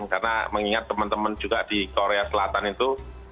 karena mengingat teman teman juga di korea selatan itu